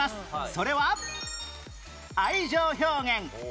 それは愛情表現威嚇